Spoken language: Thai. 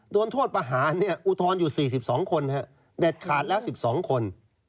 โดนโทษประหารอุทธรณ์อยู่๔๒คนเด็ดขาดแล้ว๑๒คน